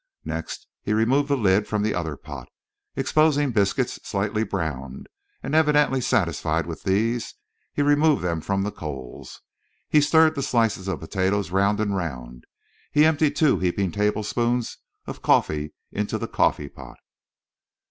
Next he removed the lid from the other pot, exposing biscuits slightly browned; and evidently satisfied with these, he removed them from the coals. He stirred the slices of potatoes round and round; he emptied two heaping tablespoonfuls of coffee into the coffee pot.